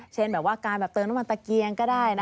แบบว่าการเติมน้ำมันตะเกียงก็ได้